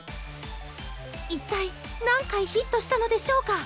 一体、何回ヒットしたのでしょうか？